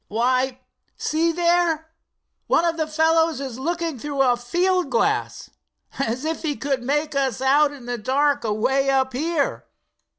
Why, see there, one of the fellows is looking through a field glass as if he could make us out in the dark away up here!"